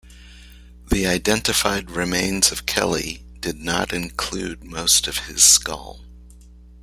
The identified remains of Kelly did not include most of his skull.